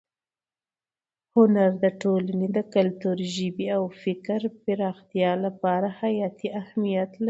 هنر د ټولنې د کلتور، ژبې او فکر د پراختیا لپاره حیاتي اهمیت لري.